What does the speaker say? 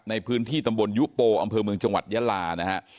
ในพื้นที่ตำบลยุโปอำเภอเมืองจังหวัดยาลานะฮะ